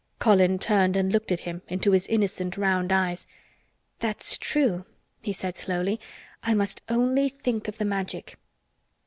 Colin turned and looked at him—into his innocent round eyes. "That's true," he said slowly. "I must only think of the Magic."